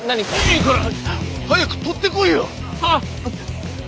いいから早くとってこいよ！は！